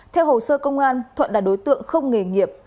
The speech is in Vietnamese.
theo hồ sơ công an thuận là đối tượng không nghề nghiệp